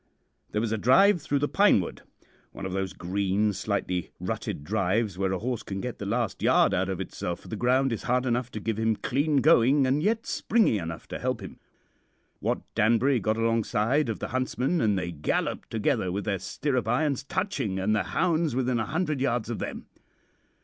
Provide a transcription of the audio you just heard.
"There was a drive through the pine wood one of those green, slightly rutted drives where a horse can get the last yard out of itself, for the ground is hard enough to give him clean going and yet springy enough to help him. Wat Danbury got alongside of the huntsman and they galloped together with their stirrup irons touching, and the hounds within a hundred yards of them.